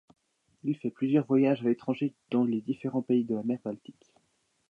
Il fait plusieurs voyages à l'étranger dans les différents pays de la mer Baltique.